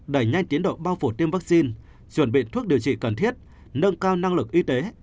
đẩy nhanh tiến độ bao phủ tiêm vaccine chuẩn bị thuốc điều trị cần thiết nâng cao năng lực y tế